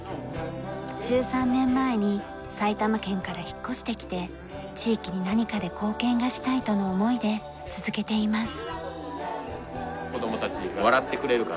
１３年前に埼玉県から引っ越してきて地域に何かで貢献がしたいとの思いで続けています。